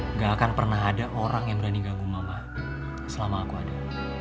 nggak akan pernah ada orang yang berani ganggu mama selama aku ada